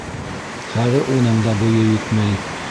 Хәҙер уның да буйы етмәй.